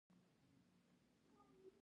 د هرې پوښتنې ځواب یو ځای لیکل شوی دی